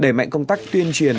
để mạnh công tác tuyên truyền